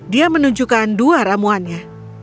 dia menunjukkan dua ramuannya